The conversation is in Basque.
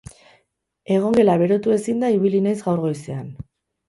Egongela berotu ezinda ibili naiz gaur goizean.